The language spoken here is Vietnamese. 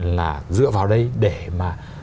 là dựa vào đây để mà